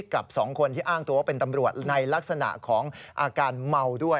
กับ๒คนที่อ้างตัวว่าเป็นตำรวจในลักษณะของอาการเมาด้วย